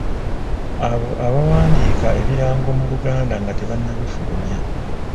Abo abawandiika ebirango mu Luganda nga tebannabifulumya.